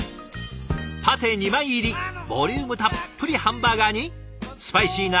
パテ２枚入りボリュームたっぷりハンバーガーにスパイシーな